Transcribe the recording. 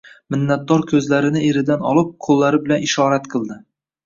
Minnatdor ko'zlarini eridan olib, qo'llari bilan ishorat qildi.